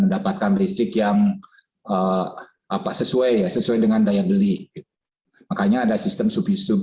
berdasarkan teknologiradar teknologi kintech